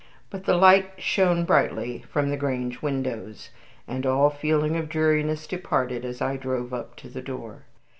But the light shone brightly from the Grange windows, and all feeling of dreariness departed as I drove up to the door.